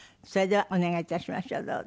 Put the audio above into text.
それではお願い致しましょう。